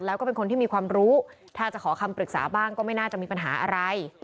แล้วก็เป็นคนที่มีความรู้ถ้าจะขอคำปรึกษาบ้างก็ไม่น่าจะมีปัญหาอะไร